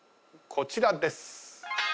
こちらです。